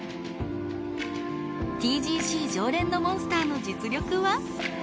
ＴＧＣ常連のモンスターの実力は？